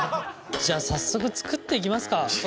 じゃあ早速作っていきますか。